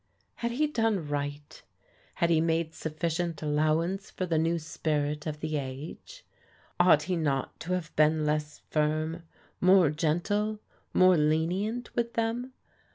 •.. Had he done right? Had he made sufficient allowance for the new spirit of the age ? Ought he not to have been less firm, more gentle, more lenient with them?